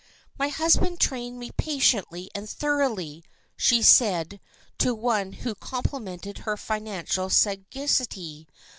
"My husband trained me patiently and thoroughly," she said to one who complimented her financial sagacity.